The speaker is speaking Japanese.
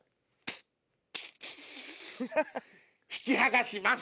「引き剥がします」